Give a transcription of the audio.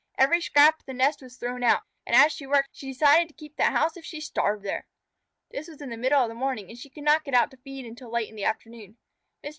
Every scrap of the nest was thrown out, and as she worked she decided to keep that house if she starved there. This was in the middle of the morning and she could not get out to feed until late in the afternoon. Mr.